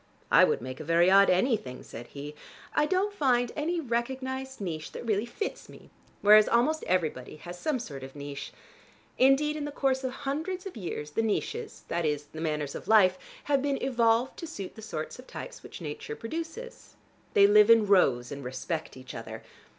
"I would make a very odd anything," said he. "I don't find any recognized niche that really fits me, whereas almost everybody has some sort of niche. Indeed in the course of hundreds of years the niches, that is the manners of life, have been evolved to suit the sorts of types which nature produces. They live in rows and respect each other.